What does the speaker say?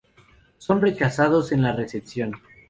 Son rechazados en la recepción.